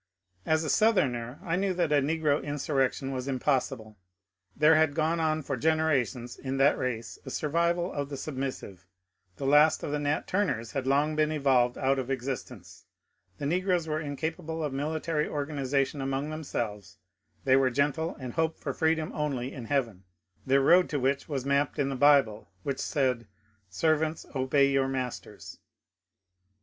As a Southerner I knew that a negro insurrection was im possible. There had gone on for generations in that race a survival of the submissive ; the last of the Nat Turners had long been evolved out of existence ; the negroes were inca pable of military organization among themselves ; they were gentle and hoped for freedom only in Heaven, their road to which was mapped in the Bible, which said, Servants, obey your masters."